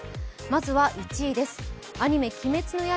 まずは１位です。